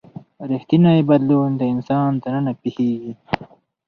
ریښتینی بدلون د انسان دننه پیښیږي.